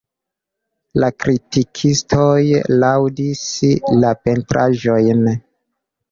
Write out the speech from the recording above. La kritikistoj laŭdis la pentraĵojn.